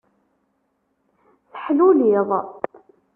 Teḥluliḍ.